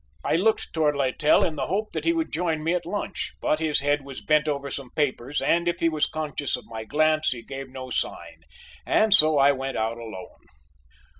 I looked toward Littell in the hope that he would join me at lunch, but his head was bent over some papers and if he was conscious of my glance he gave no sign, and so I went out alone.